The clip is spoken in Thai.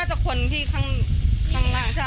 น่าจะคนที่ข้างล่าง